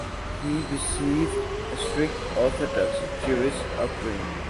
He received a strict Orthodox Jewish upbringing.